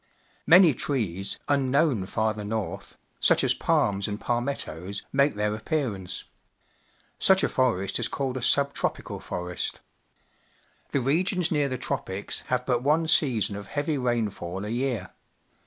Many trees, unknown farther north, such as palms and palmettos, make their appearance. Such a Torest_is callecl a sub t ropical Jorest. The regions near the Tropics have but one season of heavy rainfall a year.